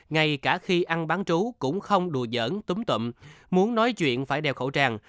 ngay cả khi ăn bán trú cũng không đùa giỡn túm tụm muốn nói chuyện phải đeo khẩu trang